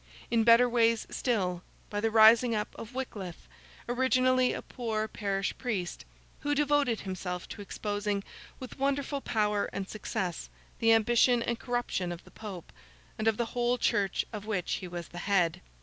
In better ways still, by the rising up of Wickliffe, originally a poor parish priest: who devoted himself to exposing, with wonderful power and success, the ambition and corruption of the Pope, and of the whole church of which he was the head.